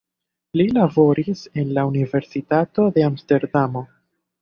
Li laboris en la universitato de Amsterdamo.